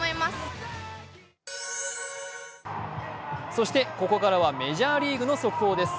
そしてここからはメジャーリーグの速報です。